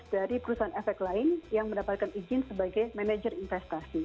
dari perusahaan efek lain yang mendapatkan izin sebagai manajer investasi